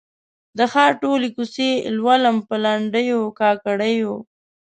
د ښار ټولي کوڅې لولم په لنډېو، کاکړیو